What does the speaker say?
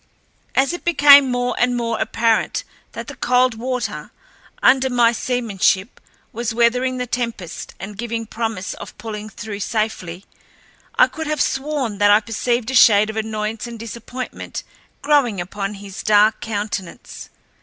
As it became more and more apparent that the Coldwater, under my seamanship, was weathering the tempest and giving promise of pulling through safely, I could have sworn that I perceived a shade of annoyance and disappointment growing upon his dark countenance.